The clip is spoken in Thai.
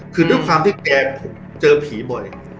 คือด้วยความที่แกเจอผีบ่อย